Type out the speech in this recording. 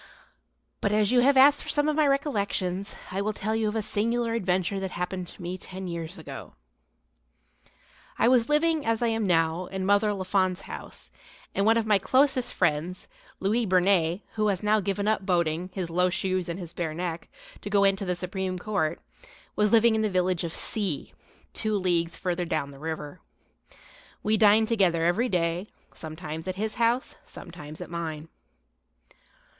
But as you have asked for some of my recollections, I will tell you of a singular adventure that happened to me ten years ago. I was living, as I am now, in Mother Lafon's house, and one of my closest friends, Louis Bernet who has now given up boating, his low shoes and his bare neck, to go into the Supreme Court, was living in the village of C., two leagues further down the river. We dined together every day, sometimes at his house, sometimes at mine.